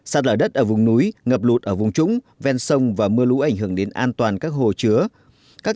sạt lở đất ở vùng núi ngập lụt ở vùng trũng ven sông và mưa lũ ảnh hưởng đến an toàn các hồ chứa